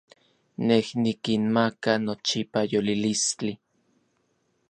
Nej nikinmaka nochipa yolilistli.